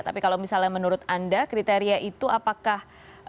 tapi kalau misalnya menurut anda kriteria itu apakah